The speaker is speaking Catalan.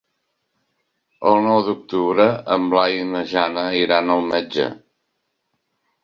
El nou d'octubre en Blai i na Jana iran al metge.